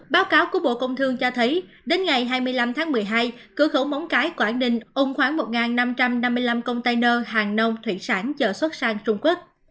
báo cáo của bộ công thương cho thấy đến ngày hai mươi năm tháng một mươi hai cửa khẩu móng cái quảng ninh ung khoảng một năm trăm năm mươi năm container hàng nông thủy sản chở xuất sang trung quốc